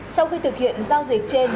sau khi thực hiện giao dịch trên